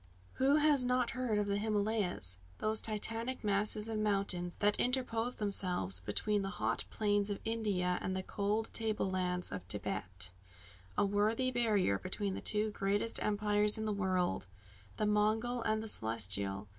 Who has not heard of the Himalayas those Titanic masses of mountains that interpose themselves between the hot plains of India and the cold table lands of Thibet a worthy barrier between the two greatest empires in the world, the Mogul and the Celestial?